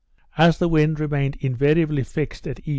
As the wind remained invariably fixed at E.